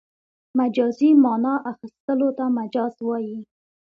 مجازي مانا اخستلو ته مجاز وايي.